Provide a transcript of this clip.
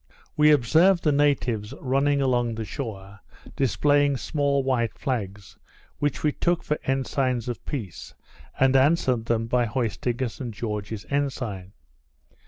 We observed the natives running along the shore, displaying small white flags, which we took for ensigns of peace, and answered them by hoisting a St George's ensign.